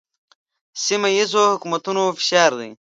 سیمه ییزو حکومتونو فشار دی.